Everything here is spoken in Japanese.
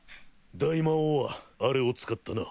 大魔王はあれを使ったな？